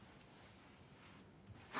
何？